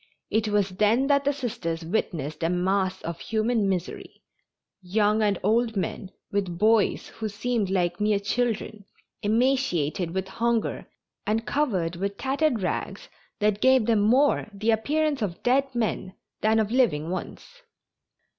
It was then that the Sisters witnessed a mass of human misery young and old men, with boys who seemed like mere children, emaciated with hunger and covered with tattered rags that gave them more the appearance of dead men than of living ones.